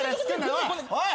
おいおい。